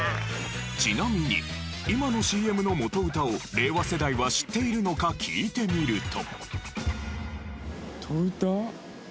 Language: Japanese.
ちなみに今のＣＭの元歌を令和世代は知っているのか聞いてみると。